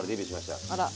あら。